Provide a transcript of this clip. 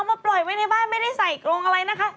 มาปล่อยไว้ในบ้านไม่ได้ใส่กรงอะไรนะคะ